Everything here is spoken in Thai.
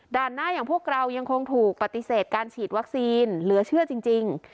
หน้าอย่างพวกเรายังคงถูกปฏิเสธการฉีดวัคซีนเหลือเชื่อจริง